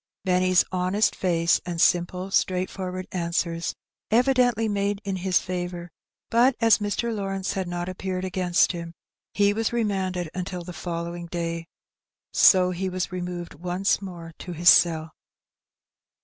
Benny's honest face and simple straightforward answers evidently made in his favour ; bnt as Mr. Lawrence had not appeared against him, he was remanded nntil the SoU lowing day, so he was removed once more to his celL 186 Her Benny.